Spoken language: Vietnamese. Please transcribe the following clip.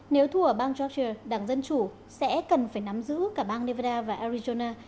nếu thua ở bang georgia đảng dân chủ sẽ cần phải nắm giữ cả bang nevada và arizona